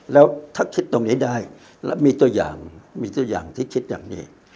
แล้วถ้าคิดตรงนี้ได้แล้วมีตัวอย่างที่คิดอย่างนี้